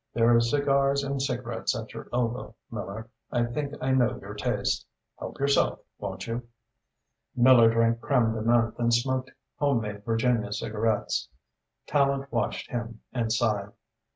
There are cigars and cigarettes at your elbow. Miller, I think I know your taste. Help yourself, won't you?" Miller drank crème de menthe and smoked homemade Virginia cigarettes. Tallente watched him and sighed.